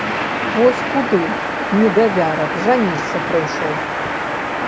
Вось куды, недавярак, жаніцца прыйшоў!